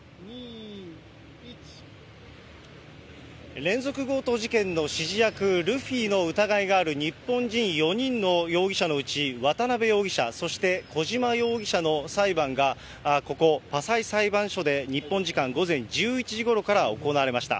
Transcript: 連続強盗事件の指示役、ルフィの疑いがある日本人４人の容疑者のうち、渡辺容疑者、そして小島容疑者の裁判が、ここ、パサイ裁判所で日本時間午前１１時ごろから行われました。